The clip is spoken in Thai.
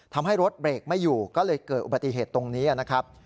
ทำให้รถเบรกไม่อยู่ก็เลยเกิดอุบัติเหตุตรงนี้นะครับ